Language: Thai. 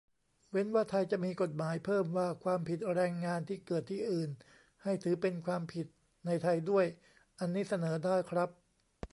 เว้นว่าไทยจะมีกฎหมายเพิ่มว่าความผิดแรงงานที่เกิดที่อื่น ให้ถือเป็นความผิดในไทยด้วย อันนี้เสนอได้ครับ